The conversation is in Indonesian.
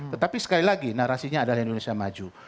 tetapi sekali lagi narasinya adalah indonesia maju